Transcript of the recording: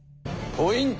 ポイント